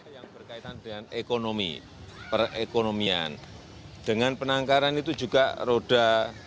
yang berkaitan dengan ekonomi perekonomian dengan penangkaran itu juga roda